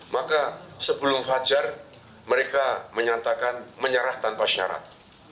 maka sebelum fajar mereka menyatakan menyerah tanpa syarat